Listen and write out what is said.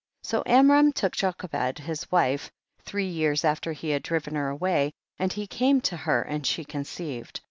3. 8o Amram took Jochcbcd his wife, three years after he had driven her away, and he came to her and she conceived.